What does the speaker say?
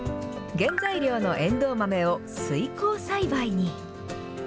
原材料のえんどう豆を水耕栽培に。